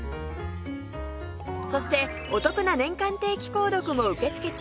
そしてお得な年間定期購読も受け付け中